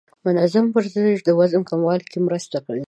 منظم ورزش د وزن کمولو کې مرسته کوي.